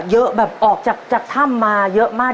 เยอะแบบออกจากถ้ำมาเยอะมาก